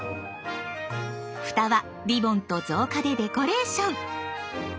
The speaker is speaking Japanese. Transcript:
ふたはリボンと造花でデコレーション。